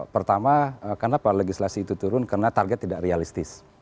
pertama kenapa legislasi itu turun karena target tidak realistis